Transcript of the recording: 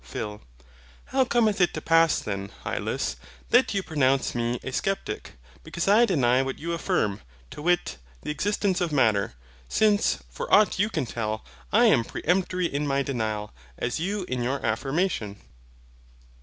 PHIL. How cometh it to pass then, Hylas, that you pronounce me A SCEPTIC, because I deny what you affirm, to wit, the existence of Matter? Since, for aught you can tell, I am as peremptory in my denial, as you in your affirmation.